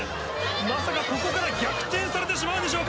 まさかここから逆転されてしまうんでしょうか。